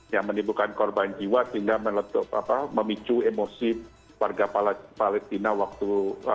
yang menimbulkan korban jiwa sehingga memicu emosi warga palestina waktu